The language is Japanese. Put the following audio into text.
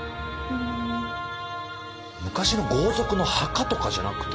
昔の豪族の墓とかじゃなくて？